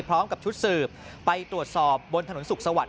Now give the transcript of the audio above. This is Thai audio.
พร้อมกับชุดสืบไปตรวจสอบบนถนนสุขสวัสด